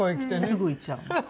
すぐ言っちゃうの。